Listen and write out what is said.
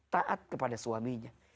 taat kepada suaminya